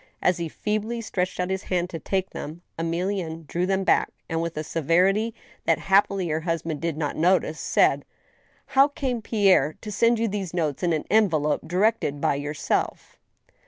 As he feebly stretched out his hand to take them, Emilienne drew them back, and, with a severity that happily her husband did not notice, said :" How came Pierre to send you these notes in an envelope directed by yourself